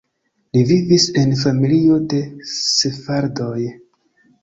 Li vivis en familio de sefardoj.